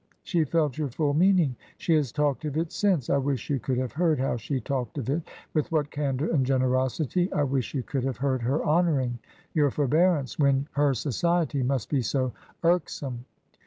She felt your full meaning. She has talked of it since. I wish you could have heard how she talked of it — ^with what candor and generosity. I wish you could have heard her honoring your forbearance ... when her society must be so irksome.'